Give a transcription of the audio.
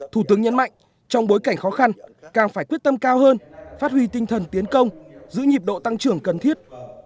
thủ tướng nhấn mạnh trong bối cảnh khó khăn càng phải quyết tâm cao hơn phát huy tinh thần tiến công giữ nhịp độ tăng trưởng cần thiết